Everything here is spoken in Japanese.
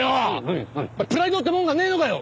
プライドってもんがねえのかよ！